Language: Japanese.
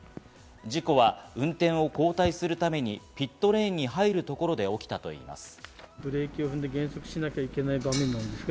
事故は運転を交代するためにピットレーンに入るところで起きたといいます。